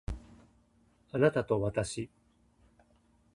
あなたとわたし